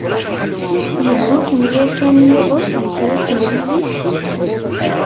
Yewwi-kem yakan yiḍes di kra n temlilit?